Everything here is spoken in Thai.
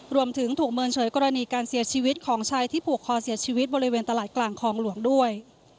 รวมถึงถูกเมินเฉยกรณีการเสียชีวิตของชายที่ผูกคอเสียชีวิตบริเวณตลาดกลางคลองหลวงด้วย